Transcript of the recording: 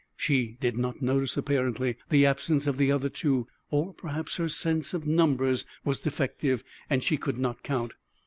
She did not notice, apparently, the absence of the other two, or perhaps her sense of numbers was defective, and she could not count.